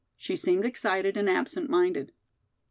She seemed excited and absent minded.